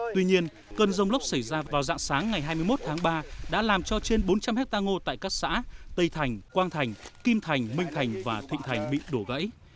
tuy nhiên cơn rông lốc xảy ra vào dạng sáng ngày hai mươi một tháng ba đã làm cho trên bốn trăm linh hectare ngô tại các xã tây thành quang thành kim thành minh thành và thịnh thành bị đổ gãy